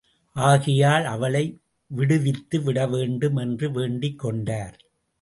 ஆகையால், அவளை விடுவித்து விட வேண்டும் என்று வேண்டிக் கொண்டார்.